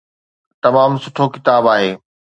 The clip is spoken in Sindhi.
تمام سٺو ڪتاب آهي.